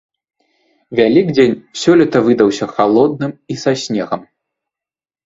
Вялікдзень сёлета выдаўся халодным і са снегам.